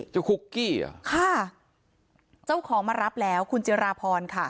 คุกกี้เหรอค่ะเจ้าของมารับแล้วคุณจิราพรค่ะ